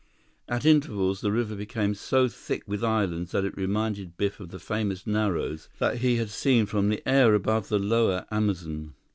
At intervals, the river became so thick with islands that it reminded Biff of the famous Narrows that he had seen from the air above the lower Amazon.